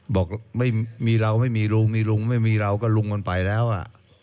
บอกไม่มีเราไม่มีลุงมีลุงไม่มีเราก็ลุงมันไปแล้ว